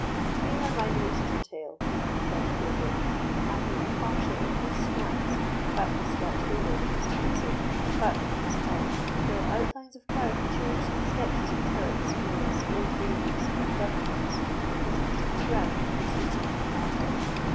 Here are my notes of the tale," said poor Dick, handing a parcel of loose scraps, partly scratched over with his pencil, partly with his pen, where outlines of caricatures, sketches of turrets, mills, old gables, and dovecots, disputed the ground with his written memoranda.